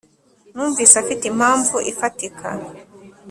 Numvise afite impamvu ifatika,